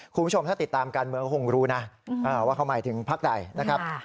คุณผู้ชมถ้าติดตามการเมืองก็คงรู้นะว่าเขาหมายถึงพักใดนะครับ